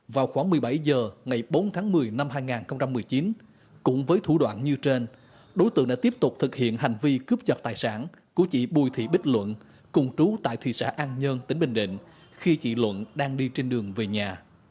vào khoảng một mươi bảy h ngày bốn tháng một mươi năm hai nghìn một mươi chín cũng với thủ đoạn như trên đối tượng đã tiếp tục thực hiện hành vi cướp giật tài sản của chị bùi thị bích luận cùng trú tại thị xã an nhơn tỉnh bình định khi chị luận đang đi trên đường về nhà